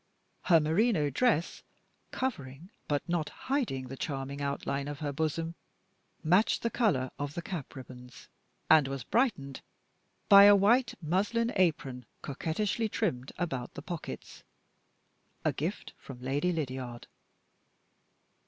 Her merino dress, covering but not hiding the charming outline of her bosom, matched the color of the cap ribbons, and was brightened by a white muslin apron coquettishly trimmed about the pockets, a gift from Lady Lydiard.